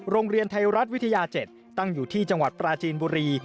โรงเรียนไทยรัฐวิทยา๗ตั้งอยู่ที่จังหวัดปราจีนบุรี